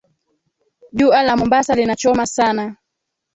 Jua la Mombasa linachoma sana